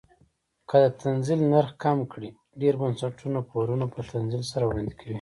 که د تنزیل نرخ کم کړي ډیر بنسټونه پورونه په تنزیل سره وړاندې کوي.